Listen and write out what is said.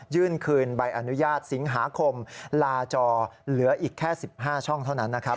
ยื่นคืนใบอนุญาตสิงหาคมลาจอเหลืออีกแค่๑๕ช่องเท่านั้นนะครับ